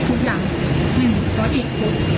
ทุกอย่างหนูก็ติดทุกข์